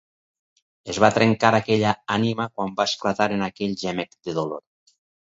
Es va trencar aquella ànima quan va esclatar en aquell gemec de dolor.